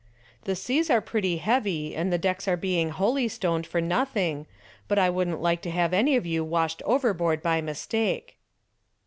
"The seas are pretty heavy and the decks are being holystoned for nothing, but I wouldn't like to have any of you washed overboard by mistake."